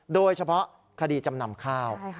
โดยเฉพาะคดีจำนำข้าว